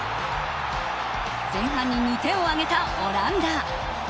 前半に２点を挙げたオランダ。